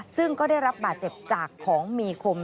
ซึ่งก็ได้รับบาดเจ็บจากของมีคม